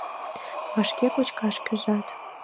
Вашке кочкаш кӱзат.